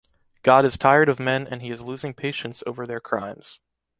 God is tired of men and He is losing patience over their crimes.